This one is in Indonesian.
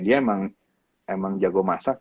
dia emang jago masak